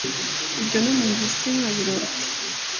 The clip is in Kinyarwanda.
Ibyo no mu nzozi sinkabirote